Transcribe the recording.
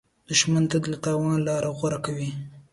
دښمن تل د تاوان لاره غوره کوي